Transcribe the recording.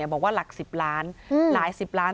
บอกว่าหลัก๑๐ล้านหลายสิบล้าน